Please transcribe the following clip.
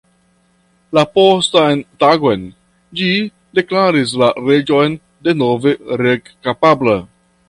La postan tagon ĝi deklaris la reĝon denove reg-kapabla.